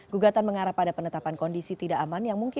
gugatan mengarah pada penetapan kondisi tidak aman